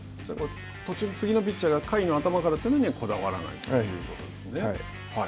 次のピッチャーが回の頭からというのはこだわらないということはい。